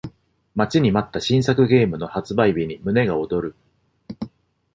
待ちに待った新作ゲームの発売日に胸が躍る